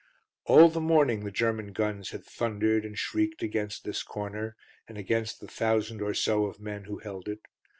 All the morning the German guns had thundered and shrieked against this corner, and against the thousand or so of men who held it.